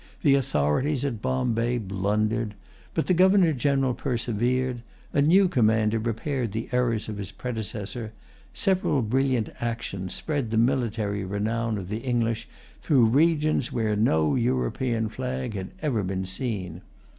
The authorities at Bombay blundered. But the Governor General persevered. A new commander repaired the errors of his predecessor. Several brilliant actions spread the military renown of the English through regions where no European flag had ever been seen.